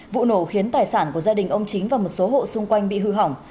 vụ nổ khiến tài sản của gia đình ông chính và một số hộ xung quanh bị hư hỏng